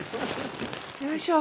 よいしょ。